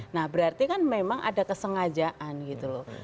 nah berarti kan memang ada kesengajaan gitu loh